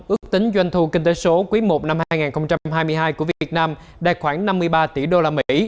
ước tính doanh thu kinh tế số quý i năm hai nghìn hai mươi hai của việt nam đạt khoảng năm mươi ba tỷ đô la mỹ